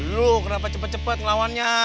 loh kenapa cepet cepet ngelawannya